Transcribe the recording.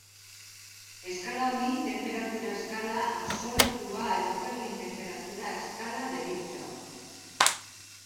Eskala honi tenperatura eskala absolutua edo Kelvin tenperatura eskala deritzo.